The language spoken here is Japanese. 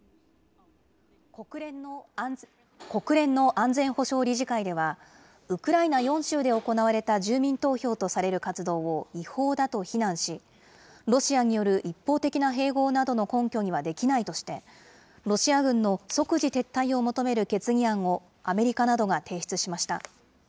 国連の安全保障理事会では、ウクライナ４州で行われた住民投票とされる活動を違法だと非難し、ロシアによる一方的な併合などの根拠にはできないとして、ロシア軍の即時撤退を求める決議案をアメリカなどが提出しました。